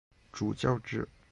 主教制。